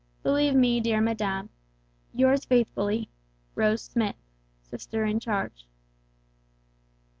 "Believe me, dear madam, "Yours faithfully, "ROSE SMITH Sister in Charge."